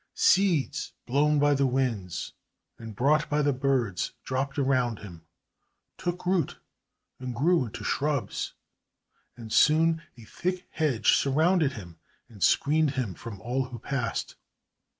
Seeds, blown by the winds and brought by the birds, dropped around him, took root and grew into shrubs, and soon a thick hedge surrounded him and screened him from all who passed.